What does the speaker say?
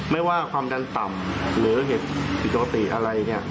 ไม่ว่าความดันต่ำหรือเหตุผิดปกติอะไรเนี่ย